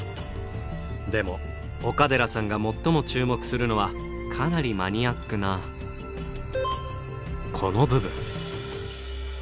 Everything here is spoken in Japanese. でも岡寺さんが最も注目するのはかなりマニアックなこの部分。